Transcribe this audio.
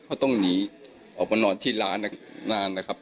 เขาต้องหนีออกมานอนที่ร้านนานนะครับ